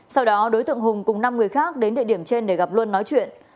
sau đó đối tượng hùng cùng năm người khác đến địa điểm trên để gặp luân nói chuyện